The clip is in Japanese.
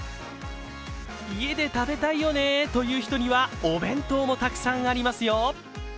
家で食べたいよねという人にはお弁当もたくさんありますよ。